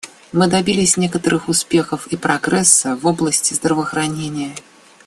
Мы добились некоторых успехов и прогресса в области здравоохранения.